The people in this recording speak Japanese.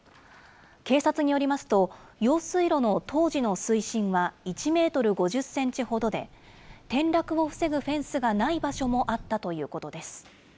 警察によりますと、用水路の当時の水深は１メートル５０センチほどで、転落を防ぐフェンスがない場所もあったということです。